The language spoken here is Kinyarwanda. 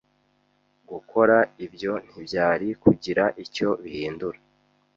Gukora ibyo ntibyari kugira icyo bihindura.